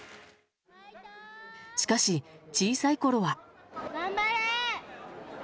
しかし、小さいころは。